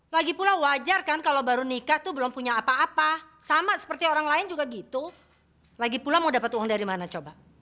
lagi pulang mau dapat uang dari mana coba